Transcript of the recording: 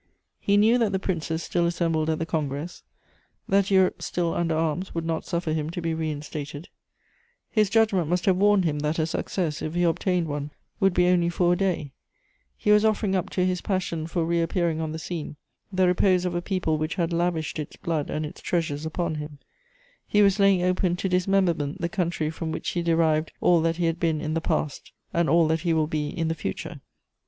He knew that the Princes still assembled at the Congress, that Europe still under arms would not suffer him to be reinstated; his judgment must have warned him that a success, if he obtained one, would be only for a day: he was offering up to his passion for reappearing on the scene the repose of a people which had lavished its blood and its treasures upon him; he was laying open to dismemberment the country from which he derived all that he had been in the past and all that he will be in the future.